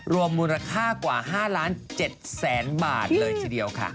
รวมมูลค่ากว่า๕๗๐๐๐บาทเลยทีเดียวค่ะ